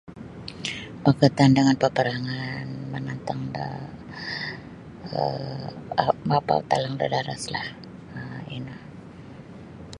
Berkaitan dengan peperangan menentang da um mapatalang da daraslah um ino.